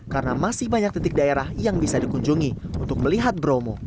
karena masih banyak titik daerah yang bisa dikunjungi untuk melihat bromo